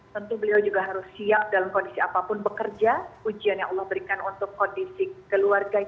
tentu beliau juga harus siap dalam kondisi apapun bekerja ujian yang allah berikan untuk kondisi keluarga kita